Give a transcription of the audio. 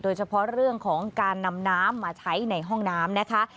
โดยเฉพาะเรื่องของการนำน้ำมาใช้ในห้องน้ำนะคะ